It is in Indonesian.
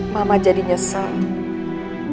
mama jadi nyesel